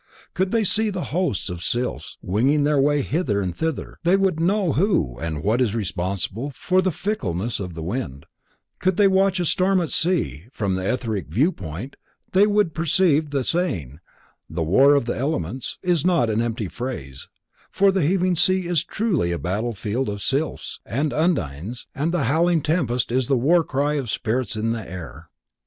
Could they see the hosts of sylphs winging their way hither and thither, they would know who and what is responsible for the fickleness of the wind; could they watch a storm at sea from the etheric view point they would perceive that the saying "the war of the elements" is not an empty phrase, for the heaving sea is truly then a battlefield of sylphs and undines and the howling tempest is the war cry of spirits in the air.